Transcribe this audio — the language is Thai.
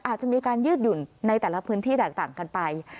อาจจะมีการยืดหยุ่นในแต่ละพื้นที่แตกต่างกันไป